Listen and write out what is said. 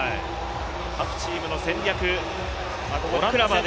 各チームの戦略。